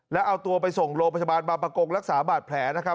แล้วเอาตัวไปส่งโรงพยาบาลบางประกงรักษาบาดแผลนะครับ